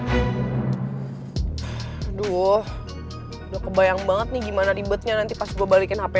aduh udah kebayang banget nih gimana ribetnya nanti pas gua balik ke rumah